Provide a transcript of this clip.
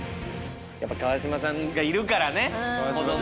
やっぱ川島さんがいるからね子供も。